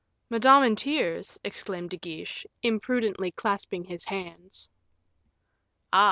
"Madame in tears!" exclaimed De Guiche, imprudently clasping his hands. "Ah!"